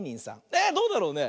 えどうだろうね？